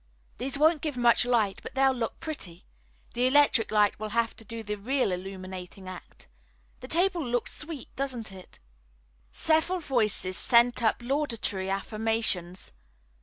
"These won't give much light, but they'll look pretty. The electric light will have to do the real illuminating act. The table looks sweet, doesn't it?" Several voices sent up laudatory affirmations.